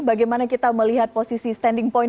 bagaimana kita melihat posisi standing point